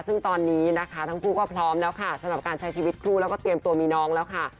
ซึ่งตอนนี้นะคะทั้งคู่ก็พร้อมแล้วค่ะสำหรับการใช้ชีวิตคู่แล้วก็เตรียมตัวมีน้องแล้วค่ะ